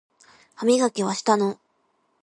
歯磨きはしたの？